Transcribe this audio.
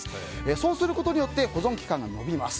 そうすることによって保存期間が延びます。